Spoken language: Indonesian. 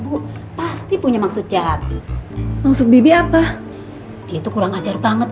bu pasti punya maksud jahat maksud bibi apa itu kurang ajar banget